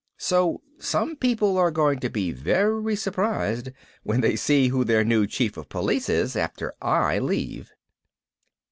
So some people are going to be very surprised when they see who their new Chief of Police is after I leave.